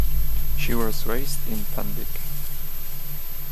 She was raised in Pendik.